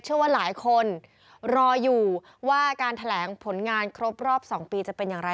เชื่อว่าหลายคนรออยู่ว่าการแถลงผลงานครบรอบ๒ปีจะเป็นอย่างไร